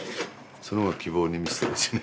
その方が希望に満ちてるしね。